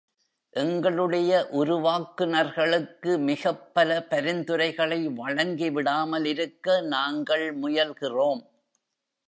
எங்களுடைய உருவாக்குநர்களுக்கு மிகப் பல பரிந்துரைகளை வழங்கிவிடாமலிருக்க நாங்கள் முயல்கிறோம்.